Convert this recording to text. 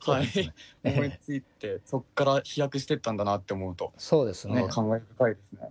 思いついてそこから飛躍してったんだなって思うと感慨深いですね。